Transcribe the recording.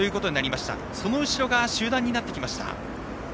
その後ろが集団になってきました。